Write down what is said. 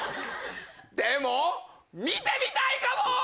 でも見てみたいかも！